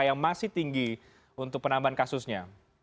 yang masih tinggi untuk penambahan kasusnya